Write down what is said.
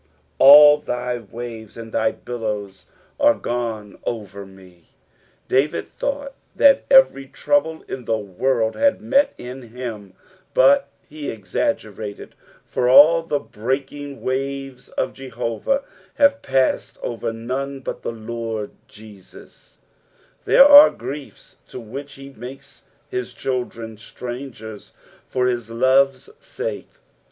*^All thy aavet and thy iUloat are gone OTier )n«." David thought that every trouble in the world had met in him, but he exaggerated, for <ul the breaking wajes of Jehovah have passed over none but the Lord Jesus ; there are griefs to which he makes his children strangers for his love's sake.